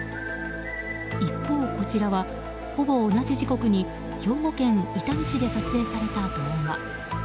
一方、こちらはほぼ同じ時刻に兵庫県伊丹市で撮影された動画。